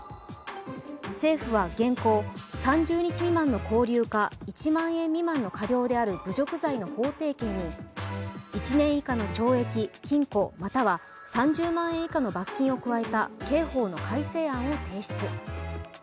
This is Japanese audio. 政府は、現行、３０日未満の拘留か１万円未満の科料である侮辱罪の法定刑に１年以下の懲役・禁錮または３０万以下の罰金を加えた刑法の改正案を提出。